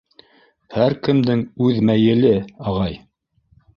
Һәр кемдең үҙ мәйеле, ағай...